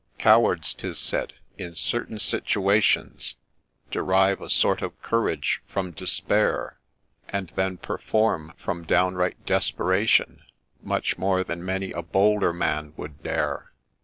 Cowards, 'tis said, in certain situations, Derive a sort of courage from despair, And then perform, from downright desperation, Much more than many a bolder man would dare.